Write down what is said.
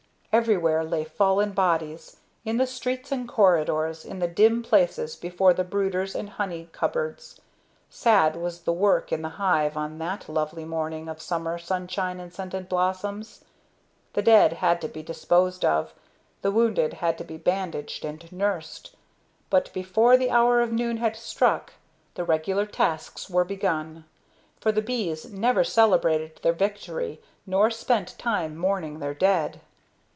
Everywhere lay fallen bodies, in the streets and corridors, in the dim places before the brooders and honey cupboards. Sad was the work in the hive on that lovely morning of summer sunshine and scented blossoms. The dead had to be disposed of, the wounded had to be bandaged and nursed. But before the hour of noon had struck, the regular tasks were begun; for the bees neither celebrated their victory nor spent time mourning their dead.